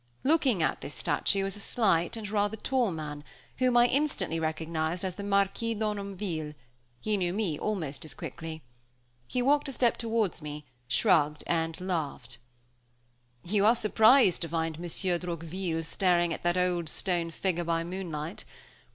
Looking at this statue was a slight and rather tall man, whom I instantly recognized as the Marquis d'Harmonville: he knew me almost as quickly. He walked a step towards me, shrugged and laughed: "You are surprised to find Monsieur Droqville staring at that old stone figure by moonlight.